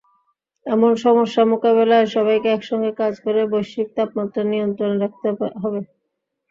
এসব সমস্যা মোকাবিলায় সবাইকে একসঙ্গে কাজ করে বৈশ্বিক তাপমাত্রা নিয়ন্ত্রণে রাখতে হবে।